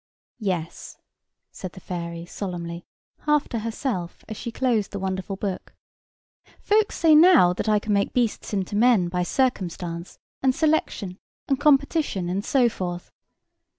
"Yes!" said the fairy, solemnly, half to herself, as she closed the wonderful book. "Folks say now that I can make beasts into men, by circumstance, and selection, and competition, and so forth.